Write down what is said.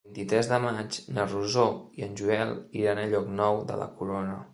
El vint-i-tres de maig na Rosó i en Joel iran a Llocnou de la Corona.